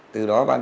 từ đó ban trường